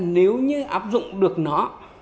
nếu như áp dụng được nó